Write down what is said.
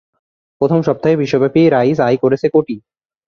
প্রথম সপ্তাহে বিশ্বব্যাপী "রইস" আয় করেছে কোটি।